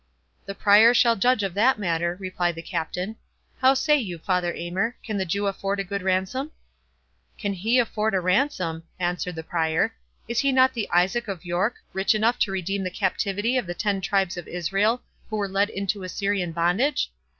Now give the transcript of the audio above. "The Prior shall judge of that matter," replied the Captain.—"How say you, Father Aymer? Can the Jew afford a good ransom?" "Can he afford a ransom?" answered the Prior "Is he not Isaac of York, rich enough to redeem the captivity of the ten tribes of Israel, who were led into Assyrian bondage?